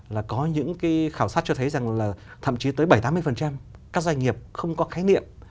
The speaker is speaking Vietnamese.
là có những cái khảo sát cho thấy rằng là thậm chí tới bảy mươi tám mươi các doanh nghiệp không có khái niệm